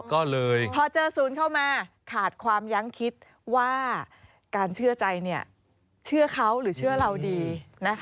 ก็เลยพอเจอศูนย์เข้ามาขาดความยั้งคิดว่าการเชื่อใจเชื่อเขาหรือเชื่อเราดีนะคะ